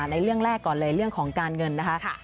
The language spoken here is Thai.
ในเรื่องแรกก่อนเลยเรื่องของการเงินนะคะ